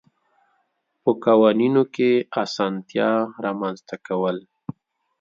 په قوانینو کې اسانتیات رامنځته کول.